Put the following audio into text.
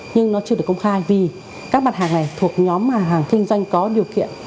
nhưng nó chưa được công khai vì các mặt hàng này thuộc nhóm hàng kinh doanh có điều kiện